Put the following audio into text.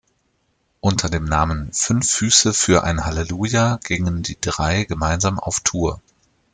Unter dem Namen "Fünf Füße für ein Halleluja" gingen die drei gemeinsam auf Tour.